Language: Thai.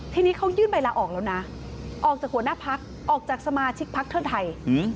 ทีนี้เขายื่นใบลาออกแล้วนะออกจากหัวหน้าพักออกจากสมาชิกพักเพื่อไทย